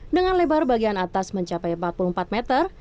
dengan lebar bagian atas mencapai empat puluh empat meter